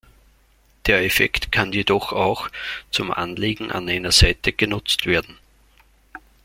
Der Effekt kann jedoch auch zum Anlegen an einer Seite genutzt werden.